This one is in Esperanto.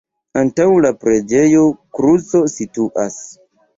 Antaŭ la preĝejo kruco situas.